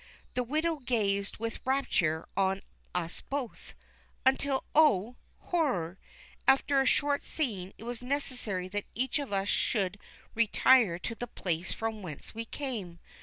The widow gazed with rapture on us both, until, oh, horror! after a short scene it was necessary that each of us should retire to the place from whence we came.